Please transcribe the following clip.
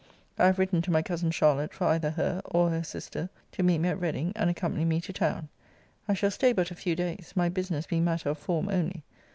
I have written to my cousin Charlotte for either her, or her sister, to meet me at Reading, and accompany me to town. I shall stay but a few days; my business being matter of form only.